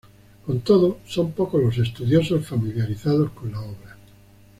Con todo, son pocos los estudiosos familiarizados con la obra.